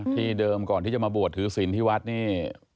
ที่เดิมก่อนที่จะมาบวชถือศิลป์ที่วัดนี่